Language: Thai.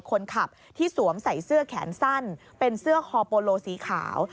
คนขับที่สวมใส่เสื้อแขนสั้นเป็นเสื้อคอโปโลสีขาว